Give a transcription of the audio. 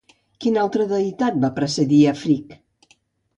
Quina altra deïtat va precedir a Frigg?